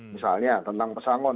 misalnya tentang pesangon